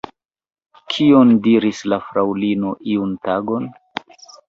Kion diris la fraŭlino iun tagon?